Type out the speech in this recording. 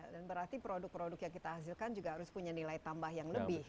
dan berarti produk produk yang kita hasilkan juga harus punya nilai tambah yang lebih